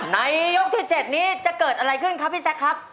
ในยกที่๗นี้จะเกิดอะไรขึ้นครับพี่แซคครับ